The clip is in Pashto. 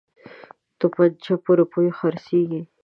توپنچه په روپیو خرڅیږي.